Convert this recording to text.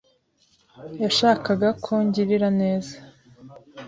yashakaga ko ngirira neza.